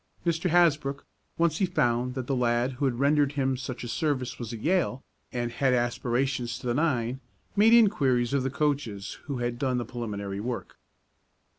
Mr. Hasbrook, once he found that the lad who had rendered him such a service was at Yale, and had aspirations to the nine, made inquiries of the coaches who had done the preliminary work.